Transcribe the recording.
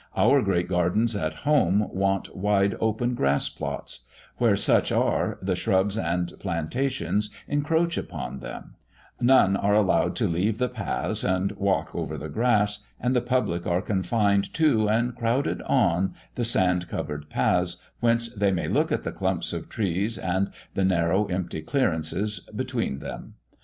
Our great gardens at home want wide open grassplots; where such are, the shrubs and plantations encroach upon them; none are allowed to leave the paths and walk over the grass, and the public are confined to, and crowded on, the sand covered paths, whence they may look at the clumps of trees, and the narrow empty clearances between them.